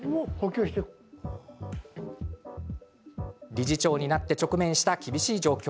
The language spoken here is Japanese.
理事長になり直面した厳しい状況。